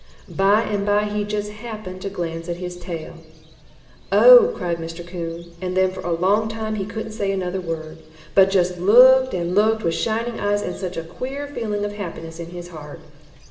"By and by he just happened to glance at his tail. 'Oh!' cried Mr. Coon, and then for a long time he couldn't say another word, but just looked and looked with shining eyes and such a queer feeling of happiness in his heart.